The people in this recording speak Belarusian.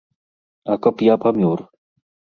А каб я памёр?